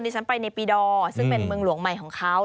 ฉันไปในปีดอร์ซึ่งเป็นเมืองหลวงใหม่ของเขา